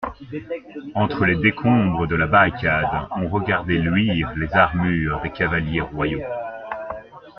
Entre les décombres de la barricade, on regardait luire les armures des cavaliers royaux.